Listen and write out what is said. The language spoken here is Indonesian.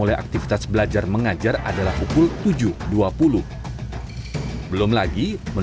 jika pemerintah menjamin akan terwait atau untuk pem exception